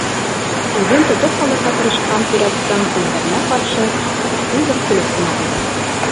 Үҙен тотоп ҡалырға тырышҡан пираттың һүҙҙәренә ҡаршы Сильвер көлөп кенә ҡуйҙы.